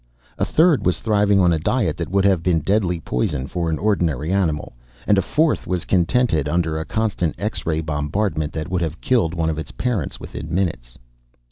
A third was thriving on a diet that would have been deadly poison for an ordinary animal and a fourth was contented under a constant X ray bombardment that would have killed one of its parents within minutes.